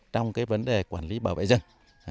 trong cái vấn đề quản lý bảo vệ rừng